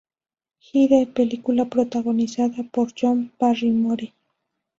Hyde", película protagonizada por John Barrymore.